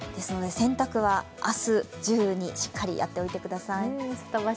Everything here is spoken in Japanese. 洗濯は明日中にしっかりやってください。